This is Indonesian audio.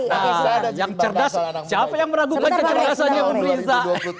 nah yang cerdas siapa yang meragukan yang cerdasannya pun riza